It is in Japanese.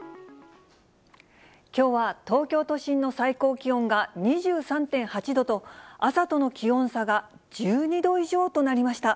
きょうは東京都心の最高気温が２３．８度と、朝との気温差が１２度以上となりました。